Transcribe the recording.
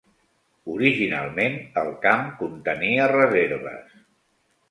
Originalment, el camp contenia reserves.